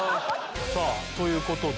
さぁということで。